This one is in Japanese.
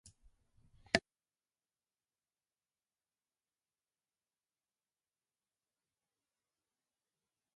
岩山と渓谷の景観。また、それがけわしくつづくことの形容。